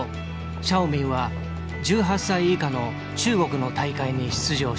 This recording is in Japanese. シャオミンは１８歳以下の中国の大会に出場した。